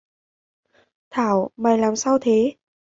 Thảo mày làm sao thế